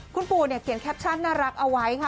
คุณปู่เนี่ยเขียนแคปชั่นน่ารักเอาไว้ค่ะ